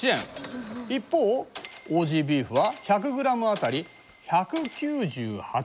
一方オージービーフは１００ｇ当たり１９８円。